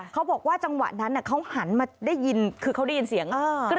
เขาบอกว่าจังหวะนั้นเขาหันมาได้ยินคือเขาได้ยินเสียง